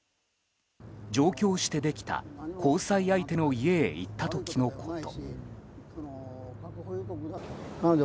上京してできた交際相手の家へ行った時のこと。